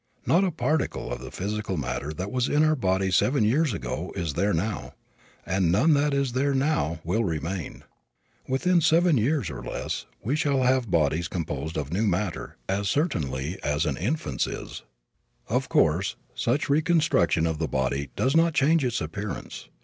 Not a particle of the physical matter that was in our bodies seven years ago is there now, and none that is there now will remain. Within seven years, or less, we shall have bodies composed of new matter as certainly as an infant's is. Of course such reconstruction of the body does not change its appearance.